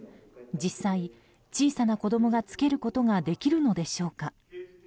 実際、小さな子供が着けることができるのでしょうか。